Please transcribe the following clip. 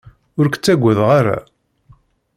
Ur k-ttagadeɣ ara.